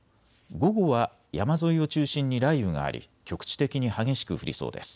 午後は山沿いを中心に雷雨があり局地的に激しく降りそうです。